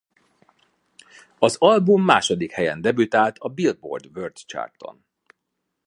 Az album második helyen debütált a Billboard World Charton.